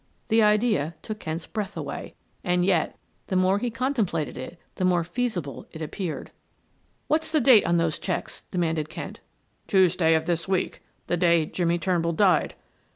The idea took Kent's breath away; and yet, the more he contemplated it, the more feasible it appeared. "What's the date on those checks?" demanded Kent. "Tuesday of this week the day Jimmie Turnbull died."